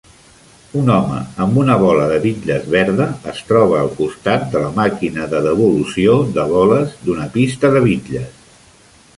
Un home amb una bola de bitlles verda es troba al costat de la màquina de devolució de boles d'una pista de bitlles.